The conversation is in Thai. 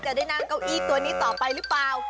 ได้นั่งเก้าอี้ตัวนี้ต่อไปหรือเปล่า